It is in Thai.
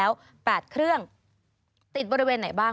สวัสดีค่ะสวัสดีค่ะ